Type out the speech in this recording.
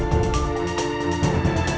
saya sudah selesai mencari